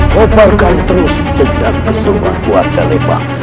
koparkan terus dendam keseluruhan buatka lepa